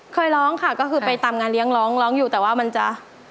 เคยร้องค่ะก็คือไปตามงานเลี้ยงร้องร้องอยู่แต่ว่ามันจะ